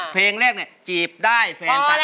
เพลงแรกนี่จีบได้แฟนแต่ตี